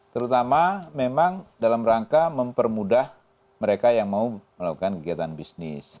terutama memang dalam rangka mempermudah mereka yang mau melakukan kegiatan bisnis